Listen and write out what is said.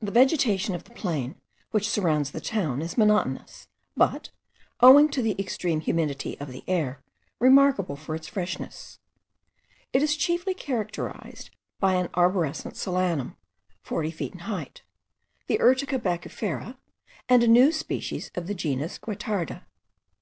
The vegetation of the plain which surrounds the town is monotonous, but, owing to the extreme humidity of the air, remarkable for its freshness. It is chiefly characterized by an arborescent solanum, forty feet in height, the Urtica baccifera, and a new species of the genus Guettarda.